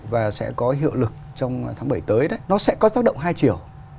và sẽ có hiệu lực trong tháng bảy tới nó sẽ có tác động hai chiều